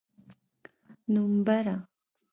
نومبره!